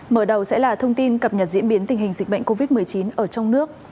mở đầu sẽ là thông tin cập nhật diễn biến tình hình dịch bệnh covid một mươi chín ở trong nước